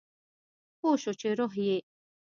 پوه شو چې روح یې